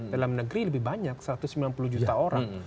dalam negeri lebih banyak satu ratus sembilan puluh juta orang